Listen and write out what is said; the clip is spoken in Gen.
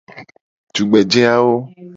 Tugbeje awo.